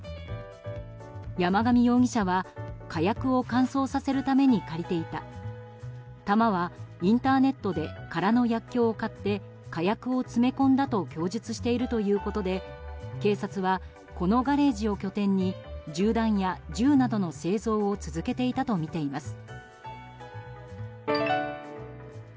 山上容疑者は、火薬を乾燥させるために借りていた弾はインターネットで空の薬きょうを買って火薬を詰め込んだと供述しているということで警察はこのガレージを拠点に銃弾や銃などの製造を続けていたとみています。